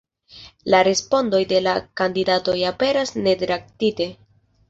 La respondoj de la kandidatoj aperas neredaktite.